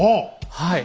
はい。